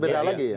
beban lagi ya